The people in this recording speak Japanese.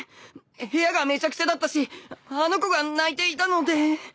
部屋がめちゃくちゃだったしあの子が泣いていたので。